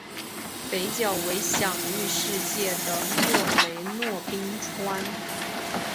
北角为享誉世界的莫雷诺冰川。